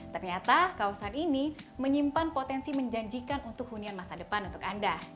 ternyata kawasan ini menyimpan potensi menjanjikan untuk hunian masa depan untuk anda